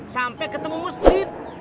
sampai ketemu mesin